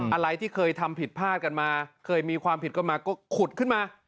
อะไรที่เคยทำผิดพลาดกันมาเคยมีความผิดกันมาก็ขุดขึ้นมา